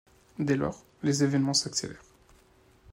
Dès lors, les événements s’accélérèrent.